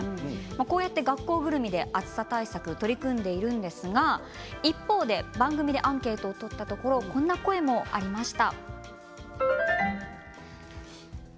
こうやって学校ぐるみで暑さ対策取り組んでいるんですが一方で番組でアンケートを取ったところこんな声もありました。